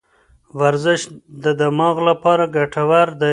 ورزش د دماغ لپاره ګټور دی.